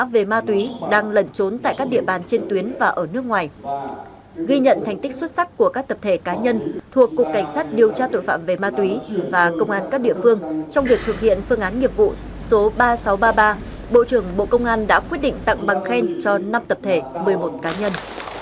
và ở nước ngoài ghi nhận thành tích xuất sắc của các tập thể cá nhân thuộc cục cảnh sát điều tra tội phạm về ma túy và công an các địa phương trong việc thực hiện phương án nghiệp vụ số ba nghìn sáu trăm ba mươi ba bộ trưởng bộ công an đã quyết định tặng bằng khen cho năm tập thể một mươi một cá nhân